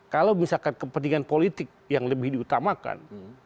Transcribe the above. kalau misalkan kepentingan politik yang lebih diutamakan